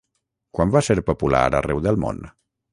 Quan va ser popular arreu del món?